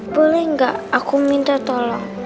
boleh nggak aku minta tolong